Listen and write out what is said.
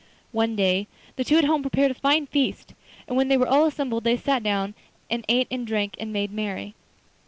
One day the two at home prepared a fine feast, and when they were all assembled they sat down and ate and drank and made merry.